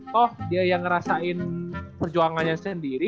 toh dia yang ngerasain perjuangannya sendiri